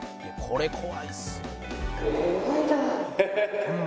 「これ怖いっす」